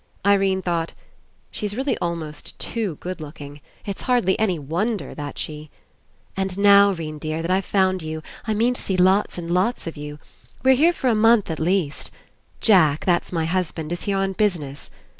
Irene thought: ''She's really almost too good looking. It's hardly any wonder that she—" ''And now, 'Rene dear, that I've found you, I mean to see lots and lots of you. We're here for a month at least. Jack, that's my hus band, is here on business.